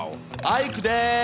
アイクです！